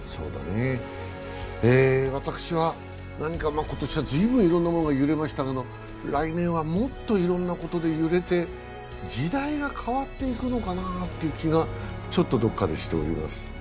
私は、何か今年は随分いろいろなものが揺れましたけど、来年はもっといろんなことで揺れて、時代が変わっていくのかなという気がちょっとどこかでしています。